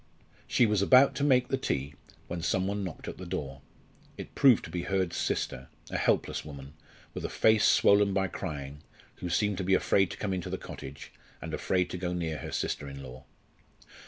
She was about to make the tea when some one knocked at the door. It proved to be Hurd's sister, a helpless woman, with a face swollen by crying, who seemed to be afraid to come into the cottage, and afraid to go near her sister in law.